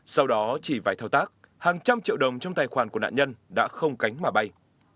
sau đó chỉ vài thao tác hàng trăm triệu đồng trong tài khoản của nạn nhân đã không cánh mà bay